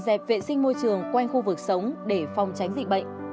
đẹp vệ sinh môi trường quanh khu vực sống để phòng tránh dịch bệnh